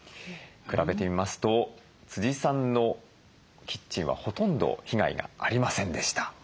比べてみますとさんのキッチンはほとんど被害がありませんでした。